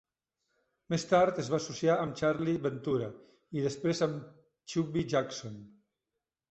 Més tard es va associar amb Charlie Ventura i després amb Chubby Jackson.